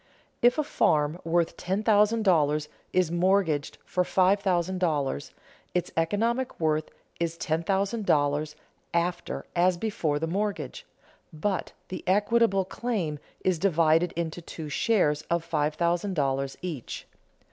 If a farm worth ten thousand dollars is mortgaged for five thousand dollars, its economic worth is ten thousand dollars after as before the mortgage, but the equitable claim is divided into two shares of five thousand dollars each.